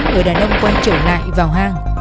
người đàn ông quay trở lại vào hang